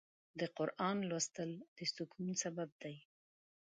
د قرآن لوستل د سکون سبب دی.